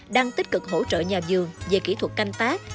đang tích cực hỗ trợ nhà vườn về kỹ thuật canh tác